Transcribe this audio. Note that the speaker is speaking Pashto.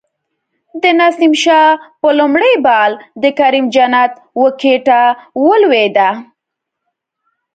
د نسیم شاه په لومړی بال د کریم جنت وکټه ولویده